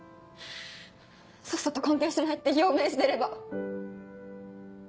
さっさと関係しないって表明してれば。